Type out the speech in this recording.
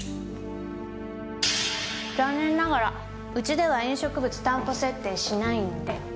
残念ながらうちでは飲食物担保設定しないんで。